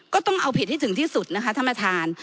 ก็ต้องเอาผิดให้ถึงที่สุดนะคะท่านประธาน